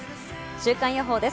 週間予報で